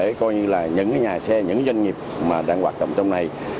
để coi như là những nhà xe những doanh nghiệp mà đang hoạt động trong này